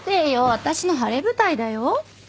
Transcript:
私の晴れ舞台だよ。